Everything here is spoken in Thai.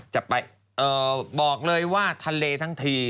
จะไปบอกเลยว่าทะเลทั้งที